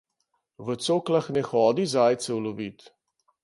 V coklah ne hodi zajcev lovit!